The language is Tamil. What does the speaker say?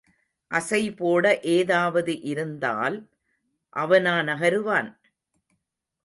அசை போட ஏதாவது இருந்தால் அவனா நகருவான்?